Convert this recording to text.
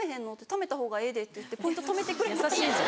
ためたほうがええで」って言ってポイントためてくれたんです。